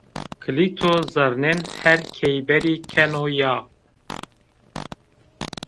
Kilîto zerrnên her keyberî keno ya